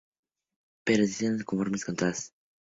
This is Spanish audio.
Pero dijeron estar conformes de todas formas.